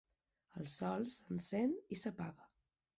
El sol s'encén i s'apaga.